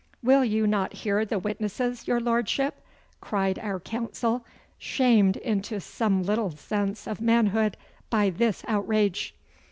'Will you not hear the witnesses, your Lordship?' cried our counsel, shamed into some little sense of manhood by this outrage.